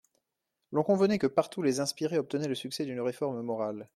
L'on convenait que partout les inspirés obtenaient le succès d'une réforme morale.